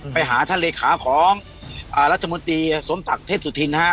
ไปหาท่านเลขาของรัฐมนตรีสมศักดิ์เทพสุธินฮะ